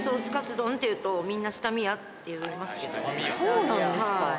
そうなんですか。